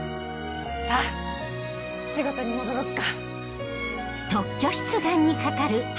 さぁ仕事に戻ろっか。